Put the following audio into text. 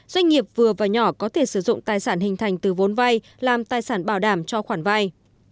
doanh nghiệp vừa và nhỏ có thể sử dụng tài sản hình thành từ vốn vay làm tài sản bảo đảm cho khoản vay